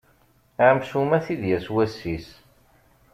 Amcum ad t-id-yas wass-is!